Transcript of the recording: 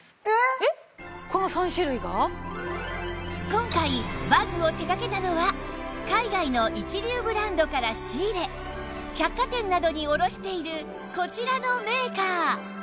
今回バッグを手掛けたのは海外の一流ブランドから仕入れ百貨店などに卸しているこちらのメーカー